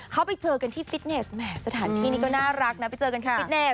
เขาไปเจอกันที่ฟิตเนสสถานที่นี่ก็น่ารักนะไปเจอกันค่ะ